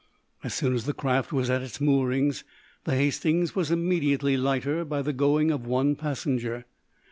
As soon as the craft was at its moorings the "Hastings" was immediately lighter by the going of one passenger.